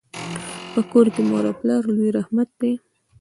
په کور کي مور او پلار لوی رحمت دی.